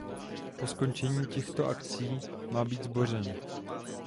Po skončení těchto akcí má být zbořen.